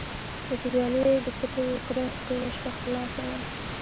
د توریالي د پټي وتره ټوله شپه خلاصه وه.